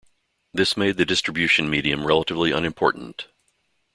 This made the distribution medium relatively unimportant.